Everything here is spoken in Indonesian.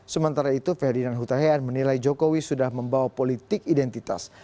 sementara itu ferdinand hutahian menilai jokowi sudah membawa politik identitas